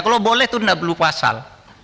kalau boleh itu nggak perlu pasal